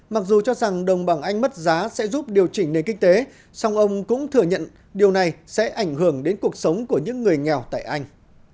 mặc dù cho rằng đồng bằng anh mất giá sẽ giúp điều chỉnh nền kinh tế song ông cũng thừa nhận điều này sẽ ảnh hưởng đến cuộc sống của những người nghèo tại anh